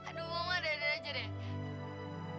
aduh mau ada ada aja deh